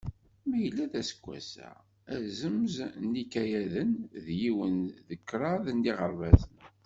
Ma yella d aseggas-a, azemz n yikayaden d yiwen deg kṛaḍ n yiɣerbazen.